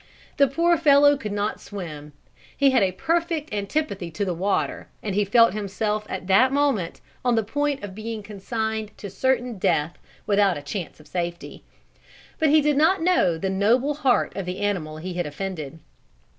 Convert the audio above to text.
The poor fellow could not swim, he had a perfect antipathy to the water, and he felt himself at that moment on the point of being consigned to certain death without a chance of safety. But he did not know the noble heart of the animal he had offended.